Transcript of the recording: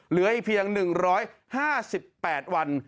เหลืออีกเพียง๑๕๘วัน